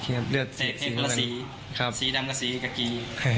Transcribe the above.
สีดำกับสีกะกรี